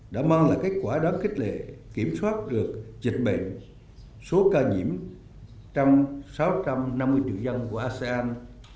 đã mang lại kết quả đáng kích lệ kiểm soát được dịch bệnh số ca nhiễm trong sáu trăm năm mươi triệu dân của asean